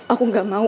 aku gak mau